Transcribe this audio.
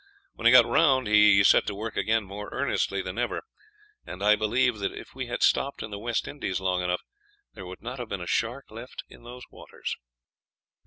When he got round he set to work again more earnestly than ever; and I believe that if we had stopped in the West Indies long enough, there would not have been a shark left in those waters."